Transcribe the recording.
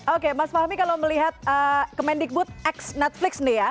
oke mas fahmi kalau melihat kemendikbud x netflix nih ya